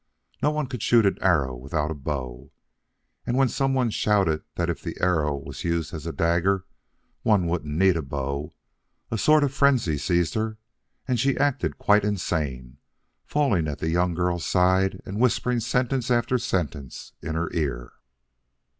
No one could shoot an arrow without a bow, and when some one shouted that if an arrow was used as a dagger, one wouldn't need a bow, a sort of frenzy seized her and she acted quite insane, falling at the young girl's side and whispering sentence after sentence in her ear.